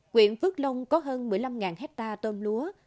quyện phước long có hơn một mươi năm hectare tôm lúa